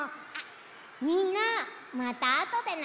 みんなまたあとでね。